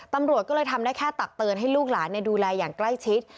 ตำรวจก็เลยทำได้แค่ตักเตือนให้ลูกหลานดูแลอย่างใกล้ชิด